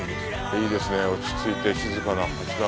いいですねぇ、落ち着いて、静かな町だ。